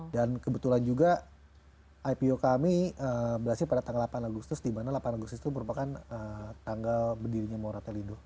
dan kebetulan juga ipo kami berhasil pada tanggal delapan agustus dimana delapan agustus itu merupakan tanggal berdirinya mora telido